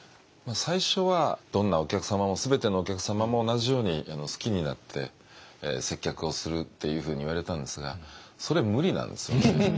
最初はどんなお客様も全てのお客様も同じように好きになって接客をするっていうふうに言われたんですがそれ無理なんですよね。